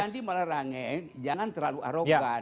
jadi andi melarangnya jangan terlalu arokan